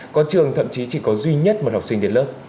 có trường thậm chí chỉ có duy nhất một học sinh đến lớp